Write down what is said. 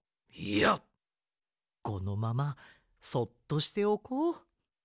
いやこのままそっとしておこう。